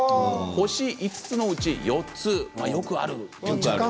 星５つのうち４つよくあると。